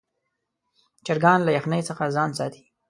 چرګان له یخنۍ څخه ځان ساتي.